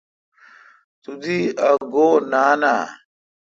تو دی ا گو°نان آہ۔